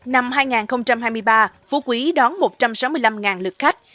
năm hai nghìn hai mươi ba phú quý đón một trăm sáu mươi năm lực khách